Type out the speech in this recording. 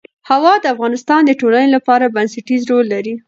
هوا د افغانستان د ټولنې لپاره بنسټيز رول لري.